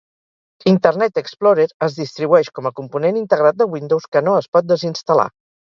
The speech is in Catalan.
Internet Explorer es distribueix com a component integrat de Windows que no es pot desinstal·lar.